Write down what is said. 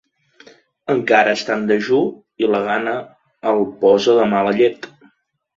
Encara està en dejú, i la gana el posa de mala llet.